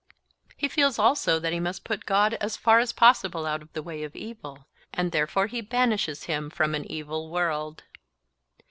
He feels also that he must put God as far as possible out of the way of evil, and therefore he banishes him from an evil world.